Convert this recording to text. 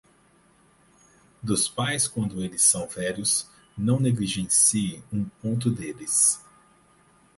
Dos pais quando eles são velhos, não negligencie um ponto deles.